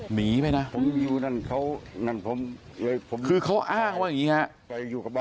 หนีไปนะคือเค้าอ้างว่าอย่างนี้ครับ